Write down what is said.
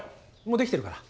もうできてるから。